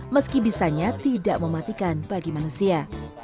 meski bisanya tidak mematikan bagi manusia